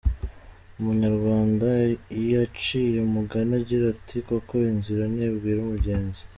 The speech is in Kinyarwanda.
Umunyarwanda yaciye umugani agira ati koko inzira ntibwira umugenzi.